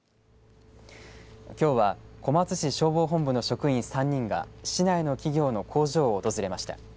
きょうは小松市消防本部の職員３人が市内の企業の工場を訪れました。